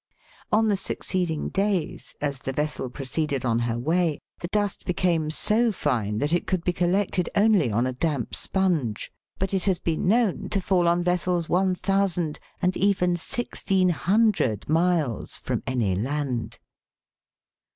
On the succeeding days, as the vessel proceeded on her way, the dust became so fine that it could be col THE WORLD'S LUMBER ROOM. lected only on a damp sponge ; but it has been known to fall on vessels one thousand and even sixteen hundred miles from any land.